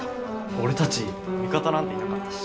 俺たち味方なんていなかったし。